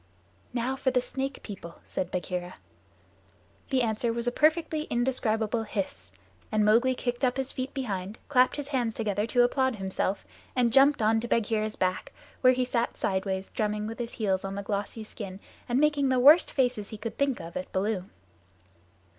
"Now for the Snake People," said Bagheera. The answer was a perfectly indescribable hiss, and Mowgli kicked up his feet behind, clapped his hands together to applaud himself, and jumped on to Bagheera's back, where he sat sideways, drumming with his heels on the glossy skin and making the worst faces he could think of at Baloo.